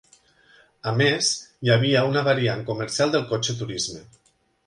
A més, hi havia una variant comercial del cotxe turisme.